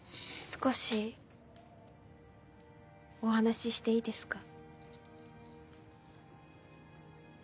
少しお話ししていいですか？